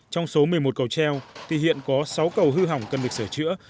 trong số một mươi một cầu treo thì hiện có sáu cầu hư hỏng cần được sửa chữa